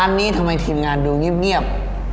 มาร้านนี้แต่ทีมงานดูเงียบ